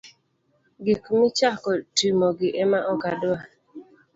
Gik michako timogi ema ok adwar.